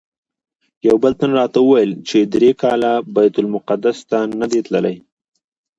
یو بل تن راته ویل چې درې کاله بیت المقدس ته نه دی تللی.